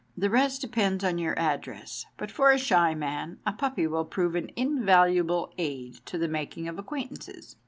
The rest depends on your address, but for a shy man a puppy will prove an invaluable aid to the making of acquaintances.